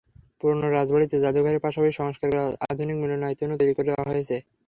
পুরোনো রাজবাড়িতে জাদুঘরের পাশাপাশি সংস্কার করে আধুনিক মিলনায়তনও তৈরি করা হয়েছে।